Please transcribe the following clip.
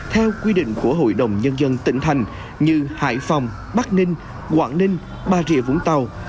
theo quy định của hội đồng nhân dân tỉnh thành như hải phòng bắc ninh quảng ninh bà rịa vũng tàu